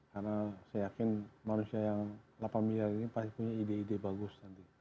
karena saya yakin manusia yang delapan miliar ini pasti punya ide ide bagus